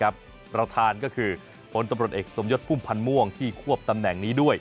ประธานก็คือผลตำรวจเอกสมยศพุ่มพันธ์ม่วงที่ควบตำแหน่งนี้ด้วย